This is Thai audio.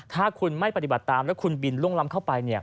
ถ้าคุณไม่ปฏิบัติตามแล้วคุณบินล่วงล้ำเข้าไป